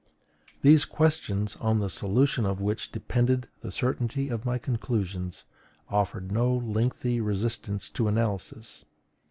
These questions, on the solution of which depended the certainty of my conclusions, offered no lengthy resistance to analysis.